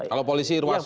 kalau polisi ruasum